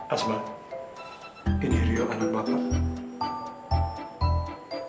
asma ini rio anak bapak